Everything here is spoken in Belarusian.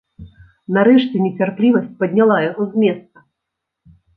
Нарэшце нецярплівасць падняла яго з месца.